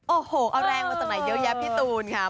โอ้โหเอาแรงมาจากไหนเยอะแยะพี่ตูนค่ะ